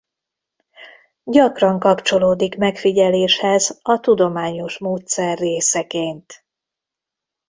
Gyakran kapcsolódik megfigyeléshez a tudományos módszer részeként.